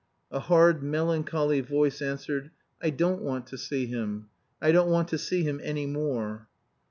A hard melancholy voice answered, "I don't want to see him. I don't want to see him any more."